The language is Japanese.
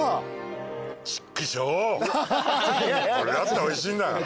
これだっておいしいんだから。